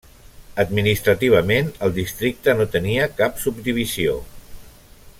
Administrativament el districte no tenia cap subdivisió.